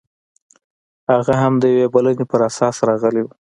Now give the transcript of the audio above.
هغه هم د یوې بلنې پر اساس راغلی و